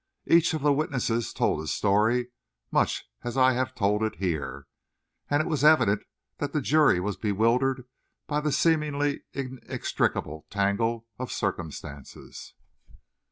Each of the witnesses told his story much as I have told it here, and it was evident that the jury was bewildered by the seemingly inextricable tangle of circumstances.